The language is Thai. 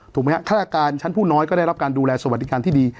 ถูกไหมครับฆาตการชั้นผู้น้อยก็ได้รับการดูแลสวัสดิการที่ดี